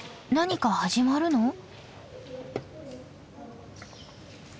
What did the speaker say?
何か始まるの？